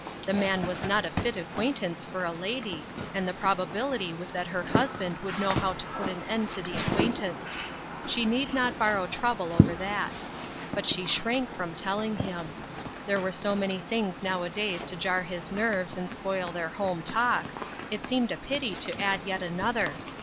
The man was not a fit acquaintance for a lady, and the probability was that her hus band would know how to put an end to the 46 UNWELCOME RESPONSIBILITIES. acquaintance ; she need not borrow trouble over that. But she shrank from telling him. There were so many things nowadays to jar his nerves and spoil their home talks, it seemed a pity to add yet another.